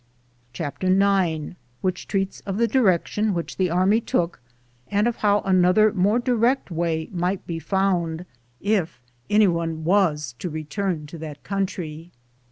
CHAPTER IX Which treats of the direction which the army took, and of how another more direct way might be found, if anyone was to return to that country.